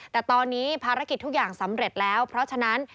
แต่ตอนนี้ภารกิจทุกอย่างสำเร็จแล้วเพราะฉะนั้น